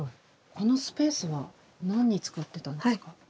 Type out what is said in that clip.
このスペースは何に使ってたんですか？